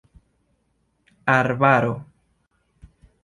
arbaro